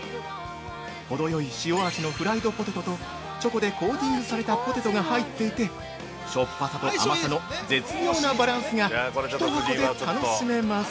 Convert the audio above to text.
程よい塩味のフライドポテトとチョコでコーテングされたポテトが入っていてしょっぱさと甘さの絶妙なバランスが１箱で楽しめます。